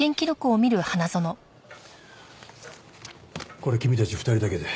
これ君たち２人だけで？